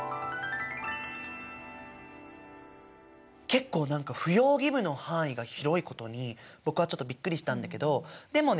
結構何か扶養義務の範囲が広いことに僕はちょっとびっくりしたんだけどでもね